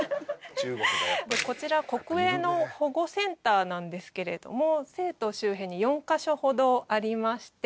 こちら国営の保護センターなんですけれども成都周辺に４カ所ほどありまして。